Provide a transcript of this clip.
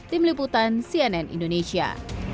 tim liputan cnn indonesia